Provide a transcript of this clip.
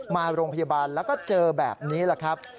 มาโรงพยาบาลแล้วก็เจอแบบนี้แหละครับ